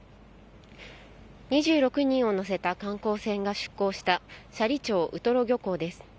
２６人を乗せた観光船が出港した斜里町ウトロ漁港です。